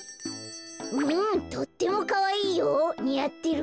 うんとってもかわいいよにあってる。